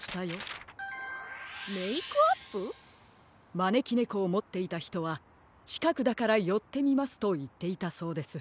まねきねこをもっていたひとはちかくだからよってみますといっていたそうです。